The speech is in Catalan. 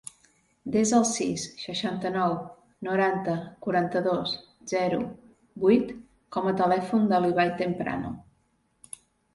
Desa el sis, seixanta-nou, noranta, quaranta-dos, zero, vuit com a telèfon de l'Ibai Temprano.